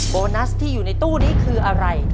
โบนัสที่อยู่ในตู้นี้คืออะไร